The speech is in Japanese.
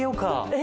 え！